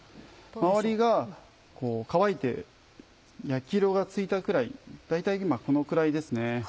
周りが乾いて焼き色がついたくらい大体今このくらいですね。